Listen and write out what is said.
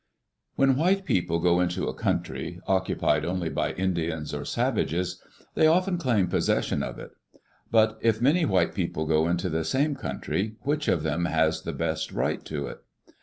TT rHEN white people go into a country occupied only ▼ T by Indians or savages, they often claim possession of it. But if many white people go into the same coun try, which of them has the best right to it?